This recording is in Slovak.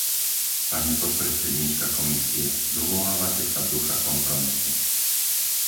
Pani podpredsedníčka Komisie, dovolávate sa ducha kompromisu.